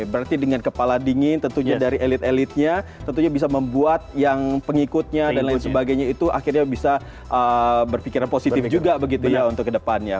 berarti dengan kepala dingin tentunya dari elit elitnya tentunya bisa membuat yang pengikutnya dan lain sebagainya itu akhirnya bisa berpikiran positif juga begitu ya untuk kedepannya